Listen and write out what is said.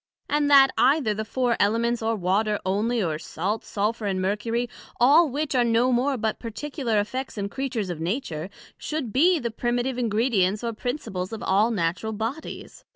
and that either the Four Elements, or Water onely, or Salt Sulphur and Mercury, all which are no more but particular effects and Creatures of Nature, should be the Primitive Ingredients or Principles of all Natural Bodies?